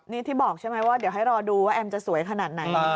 นี่ที่บอกใช่ไหมว่าเดี๋ยวให้รอดูว่าแอมจะสวยขนาดไหน